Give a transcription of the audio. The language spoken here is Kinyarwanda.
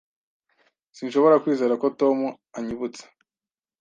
Sinshobora kwizera ko Tom anyibutse.